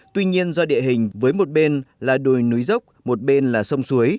tuy nhiên do địa hình với một bên là đồi núi dốc một bên là sông suối